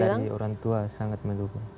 dari orang tua sangat mendukung